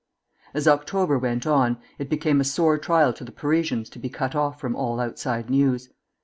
As October went on, it became a sore trial to the Parisians to be cut off from all outside news.